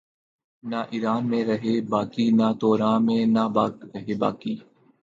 نہ ایراں میں رہے باقی نہ توراں میں رہے باقی